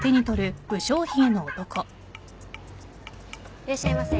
いらっしゃいませ。